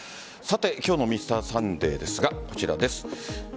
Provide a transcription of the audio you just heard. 今日の「Ｍｒ．サンデー」ですがこちらです。